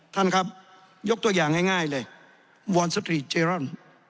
ท่านครับยกตัวอย่างง่ายเลยวอนสตรีทเจร่อน